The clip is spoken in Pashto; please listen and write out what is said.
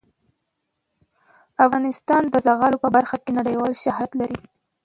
افغانستان د زغال په برخه کې نړیوال شهرت لري.